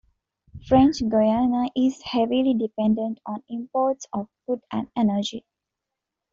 French Guiana is heavily dependent on imports of food and energy.